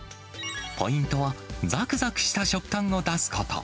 ポイントは、ざくざくした食感を出すこと。